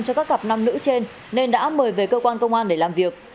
cho các cặp nam nữ trên nên đã mời về cơ quan công an để làm việc